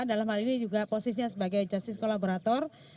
dalam hal ini juga posisinya sebagai justice kolaborator